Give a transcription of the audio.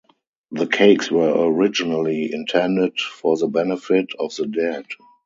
The cakes were originally intended for the benefit of the dead.